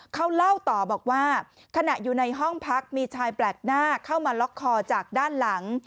เขาเล่าต่อบอกว่าขณะอยู่ในห้องพักมีชายแปลกหน้าเข้ามาล็อกคอจากด้านหลัง